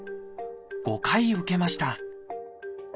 ５回受けました。